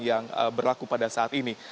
yang berlaku pada saat ini